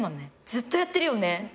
ずっとやってる。